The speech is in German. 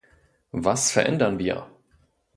Was verändern wir?